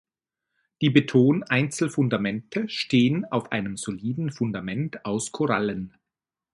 Die Betoneinzelfundamente stehen auf einem soliden Fundament aus Korallen.